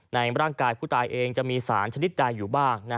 ในร่างกายผู้ตายเองจะมีสารชนิดใดอยู่บ้าง